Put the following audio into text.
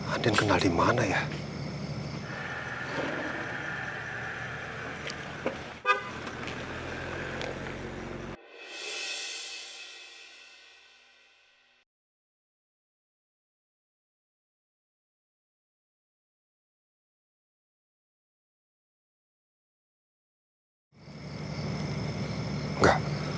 andin kenal di mana ya